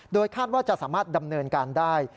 คาดว่าจะสามารถดำเนินการได้